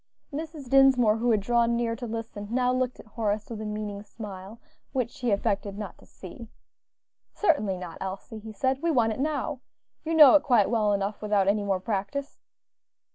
Mrs. Dinsmore, who had drawn near to listen, now looked at Horace with a meaning smile, which he affected not to see. "Certainly not, Elsie," he said; "we want it now. You know it quite well enough without any more practice."